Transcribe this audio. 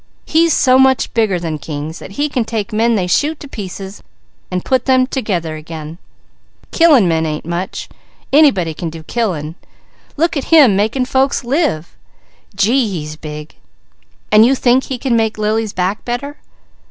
He's so much bigger than kings, that he can take men they shoot to pieces and put them together again. Killing men ain't much! Anybody can do killing! Look at him making folks live! Gee, he's big!" "And you think he can make Lily's back better?"